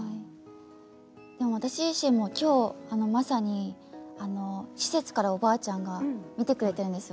私自身もきょうまさに施設から、おばあちゃんが見てくれているんですよ